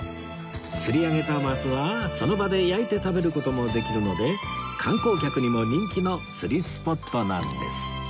釣り上げたマスはその場で焼いて食べる事もできるので観光客にも人気の釣りスポットなんです